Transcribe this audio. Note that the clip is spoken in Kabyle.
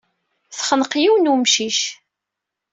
Texneq yiwen n wemcic.